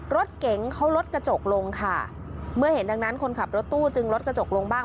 รถเก๋งเขาลดกระจกลงค่ะเมื่อเห็นดังนั้นคนขับรถตู้จึงลดกระจกลงบ้าง